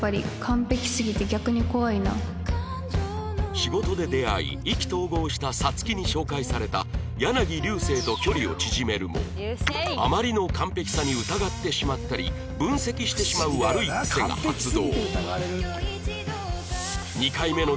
仕事で出会い意気投合した皐月に紹介された柳流星と距離を縮めるもあまりの完璧さに疑ってしまったり分析してしまう悪い癖が発動